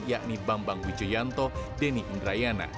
yakni bambang wijoyanto deni indrayana